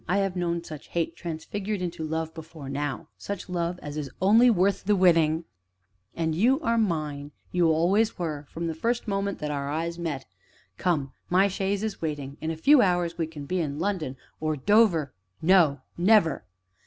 I have known such hate transfigured into love, before now such love as is only worth the winning. And you are mine you always were from the first moment that our eyes met. Come, my chaise is waiting; in a few hours we can be in London, or Dover " "No never!"